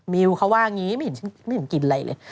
มิวเขาว่างี้ไม่เห็นกินอะไรเลย